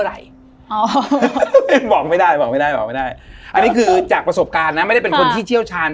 อันนี้คือจากประสบการณ์นะไม่ได้เป็นคนที่เชี่ยวชาญ